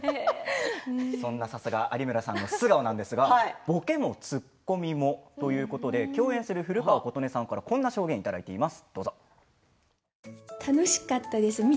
その有村さんの素顔ですがボケもツッコみもということで共演する古川琴音さんからこんな証言をいただいています。